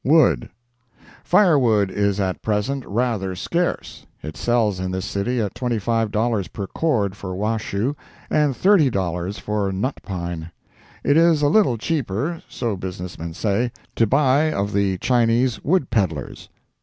WOOD. Firewood is at present rather scarce. It sells in this city at $25 per cord for Washoe, and $30 for nut pine. It is a little cheaper—so business men say—to buy of the Chinese wood peddlers.